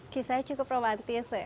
kisahnya cukup romantis ya